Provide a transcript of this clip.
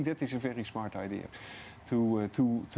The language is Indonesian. dan saya pikir itu adalah ide yang sangat bijak